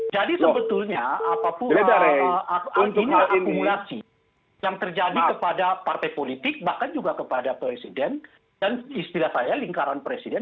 jadi sebetulnya apapun ini akumulasi yang terjadi kepada partai politik bahkan juga kepada presiden dan istilah saya lingkaran presiden